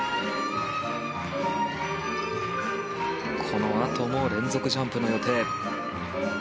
このあとも連続ジャンプの予定。